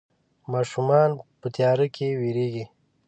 ماشومان په تياره کې ويرېږي.